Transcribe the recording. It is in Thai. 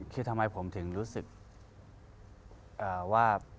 คือทำไมผมถึงรู้สึกว่า